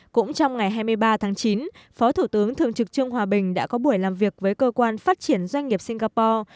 cũng trong ngày hai mươi ba tháng chín phó thủ tướng thường trực trương hòa bình đã có buổi làm việc với cơ quan phát triển doanh nghiệp singapore